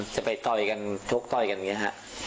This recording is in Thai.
ไปต่อยกันชกต่อยกันอย่างนี้ฮะ